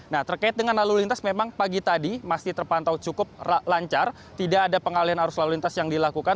nah terkait dengan lalu lintas memang pagi tadi masih terpantau cukup lancar tidak ada pengalian arus lalu lintas yang dilakukan